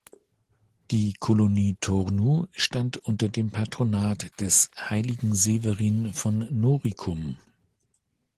Die Kolonie Turnu stand unter dem Patronat des Heiligen Severin von Noricum.